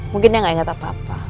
mungkin dia gak ingat apa apa